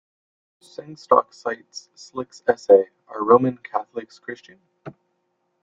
Sengstock cites Slick's essay Are Roman Catholics Christian?